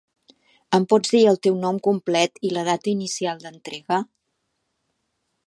Em pots dir el teu nom complet i la data inicial d'entrega?